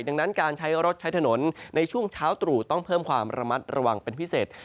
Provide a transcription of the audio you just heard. ดังนั้นการใช้รถใช้ถนนในช่วงเช้าตรู่ต้องเพิ่มความระมัดระวังเป็นพิเศษ